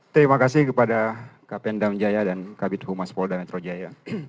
terima kasih kepada kpn damjaya dan kabinet humas polda metro jaya